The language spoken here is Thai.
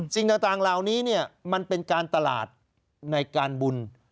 สิ่งต่างเหล่านี้มันเป็นการตลาดในการบุญ